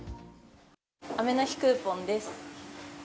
雨の日クーポンです。